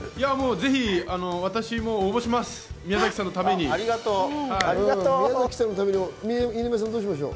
ぜひ私も応募します、宮崎さありがとう。